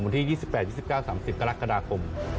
วันที่๒๘๒๙๓๐กรกฎาคม